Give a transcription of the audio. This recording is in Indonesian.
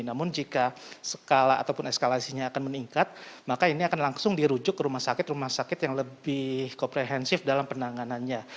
namun jika skala ataupun eskalasinya akan meningkat maka ini akan langsung dirujuk ke rumah sakit rumah sakit yang lebih komprehensif dalam penanganannya